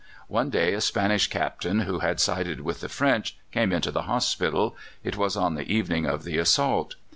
One day a Spanish Captain who had sided with the French came into the hospital it was on the evening of the assault.